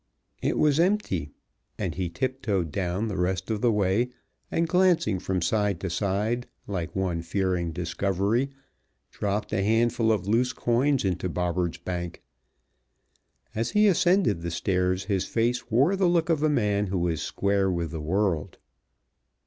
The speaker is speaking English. It was empty, and he tip toed down the rest of the way and, glancing from side to side like one fearing discovery, dropped a handful of loose coins into Bobberts' bank. As he ascended the stairs his face wore the look of a man who is square with the world.